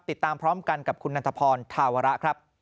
ติดตามพร้อมกันกับคุณนันทพรธาวระครับ